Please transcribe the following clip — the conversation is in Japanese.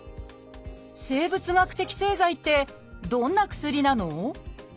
「生物学的製剤」ってどんな薬なの？